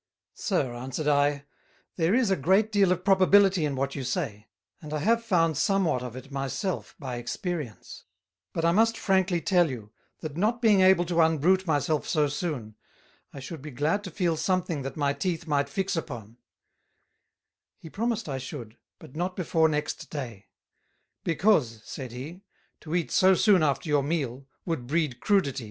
"Sir," answered I, "there is a great deal of probability in what you say, and I have found somewhat of it my self by experience; but I must frankly tell you, That not being able to Unbrute my self so soon, I should be glad to feel something that my Teeth might fix upon:" He promised I should, but not before next Day; "because," said he, "to Eat so soon after your meal would breed Crudities."